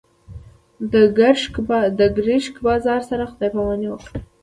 د ګرشک بازار سره خدای پاماني وکړه.